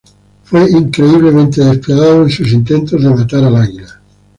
Fue increíblemente despiadado en sus intentos de matar al águila.